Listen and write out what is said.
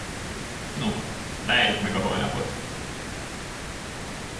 No, várjuk meg a holnapot!